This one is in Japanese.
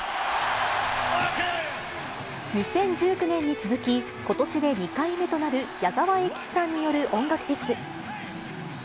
２０１９年に続き、ことしで２回目となる矢沢永吉さんによる音楽フェス。